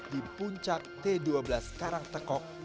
di puncak t dua belas karang tekok